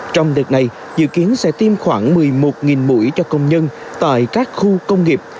trong đợt này dự kiến sẽ tiêm khoảng một mươi một mũi cho công nhân tại các khu công nghiệp